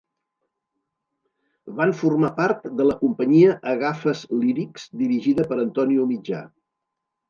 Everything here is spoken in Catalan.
Van formar part de la companyia Agafes Lírics dirigida per Antonio Mitjà.